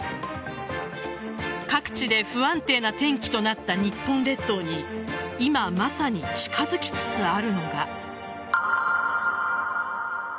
各地で不安定な天気となった日本列島に今まさに近づきつつあるのが。